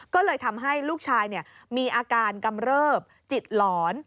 ก็เลยทำให้ลูกชายมีอาการกำเริบจิตหลอน